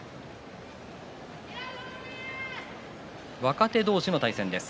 若手同士の対戦です。